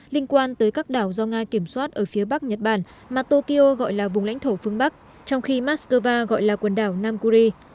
liên quan tới các đảo do nga kiểm soát ở phía bắc nhật bản mà tokyo gọi là vùng lãnh thổ phương bắc trong khi moscow gọi là quần đảo nam kuri